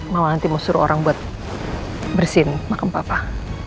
mau nanti mau suruh orang buat bersihin makam bapak